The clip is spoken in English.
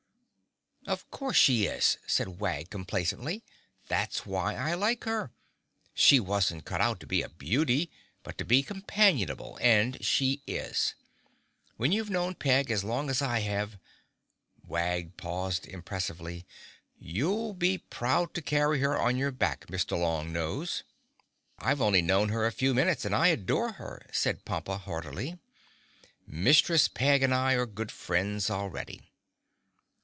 "Of course she is," said Wag complacently. "That's why I like her. She wasn't cut out to be a beauty, but to be companionable, and she is. When you've known Peg as long as I have"—Wag paused impressively—"you'll be proud to carry her on your back, Mr. Long Nose!" "I've only known her a few minutes and I adore her!" said Pompa heartily. "Mistress Peg and I are good friends already."